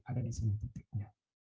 ada di sini di titik nya